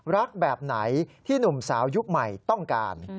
แบบไหนที่หนุ่มสาวยุคใหม่ต้องการ